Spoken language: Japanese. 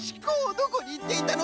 どこにいっていたの！？